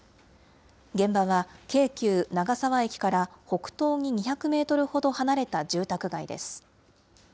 現場は京急長沢駅から北東に２００メートルほど離れた住宅街です。